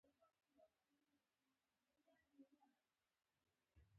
آیا افغانستان کې له تاوتریخوالي پرته بدلون ممکن دی؟